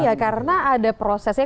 iya karena ada prosesnya